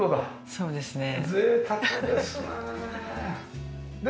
そうですね。